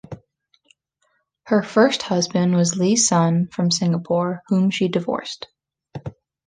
Her first husband was Li Sun from Singapore, whom she divorced.